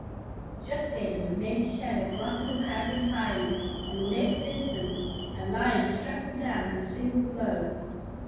Just then an immense shadow blotted him out entirely, and the next instant a Lion struck him down with a single blow.